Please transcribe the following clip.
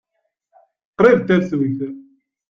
Qrib d tafsut.